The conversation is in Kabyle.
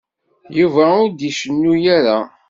Yuba ur d-icennu ara.